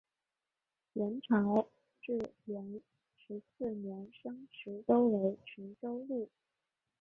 元朝至元十四年升池州为池州路。